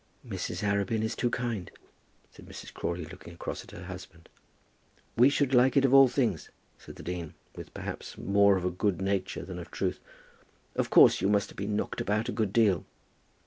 "Mrs. Arabin is too kind," said Mrs. Crawley, looking across at her husband. "We should like it of all things," said the dean, with perhaps more of good nature than of truth. "Of course you must have been knocked about a good deal."